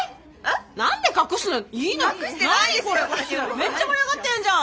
めっちゃ盛り上がってんじゃん。